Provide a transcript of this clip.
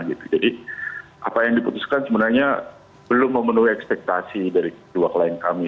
jadi apa yang diputuskan sebenarnya belum memenuhi ekspektasi dari kedua klien kami